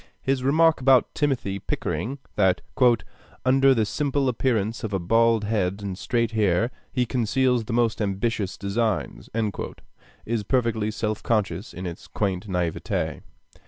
His remark about Timothy Pickering, that "under the simple appearance of a bald head and straight hair, he conceals the most ambitious designs," is perfectly self conscious in its quaint naiveté.